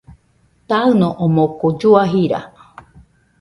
Taɨno omoɨko llua jira.